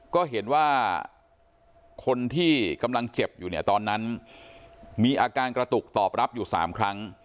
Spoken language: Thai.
ก็เห็นว่าคนที่กำลังเจ็บอยู่เนี่ยตอนนั้นมีอาการกระตุกตอบรับอยู่๓ครั้ง